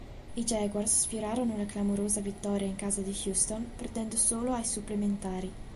I Jaguars sfiorarono la clamorosa vittoria in casa di Houston perdendo solo ai supplementari.